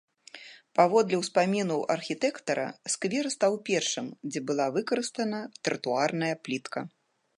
Паводле ўспамінаў архітэктара, сквер стаў першым, дзе была выкарыстана тратуарная плітка.